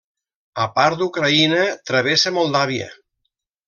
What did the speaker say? A part d'Ucraïna, travessa Moldàvia.